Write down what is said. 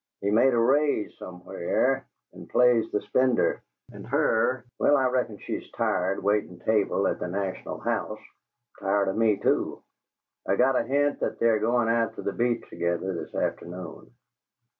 He's made a raise somewheres, and plays the spender. And her well, I reckon she's tired waitin' table at the National House; tired o' me, too. I got a hint that they're goin' out to the Beach together this afternoon."